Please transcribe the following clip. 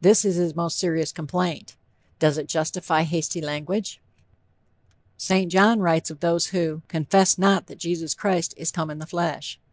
This is his most serious complaint. Does it justify hasty language? St. John writes of those who "confessed not that Jesus Christ is come in the flesh."